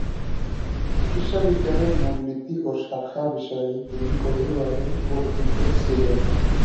চিকিৎসাবিজ্ঞানের মূলনীতি ও শাখা বিষয়ে তিনি গভীরভাবে পরিচিত ছিলেন।